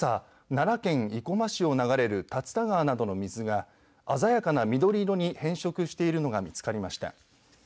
奈良県生駒市を流れる竜田川などの水が鮮やかな緑色に変色しているのが見つかりました。